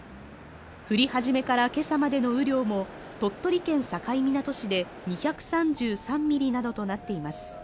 降り始めから今朝までの雨量も鳥取県境港市で２３３ミリなどとなっています。